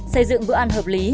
xây dựng bữa ăn hợp lý